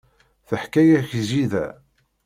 Teḥka-ak jida.